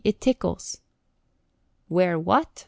"It tickles." "Wear what?"